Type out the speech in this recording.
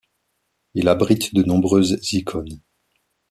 Il abrite de nombreuses icônes.